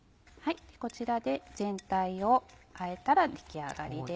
こちらで全体をあえたら出来上がりです。